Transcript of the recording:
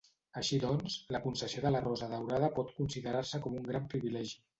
Així doncs, la concessió de la Rosa Daurada pot considerar-se com un gran privilegi.